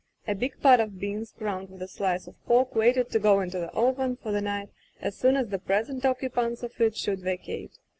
A big pot of beans crowned with a slice of pork waited to go into the oven for the night as soon as the present occupants of it should vacate.